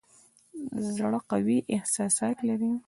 زړه قوي احساسات لري.